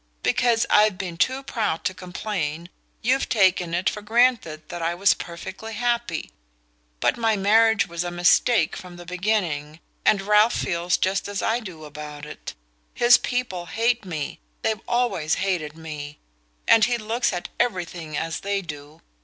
Because I've been too proud to complain you've taken it for granted that I was perfectly happy. But my marriage was a mistake from the beginning; and Ralph feels just as I do about it. His people hate me, they've always hated me; and he looks at everything as they do.